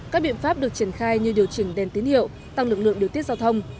các biện pháp được triển khai như điều chỉnh đèn tín hiệu tăng lực lượng điều tiết giao thông